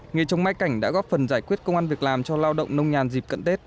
nghề trồng mai cảnh đã góp phần giải quyết công an việc làm cho lao động nông nhàn dịp cận tết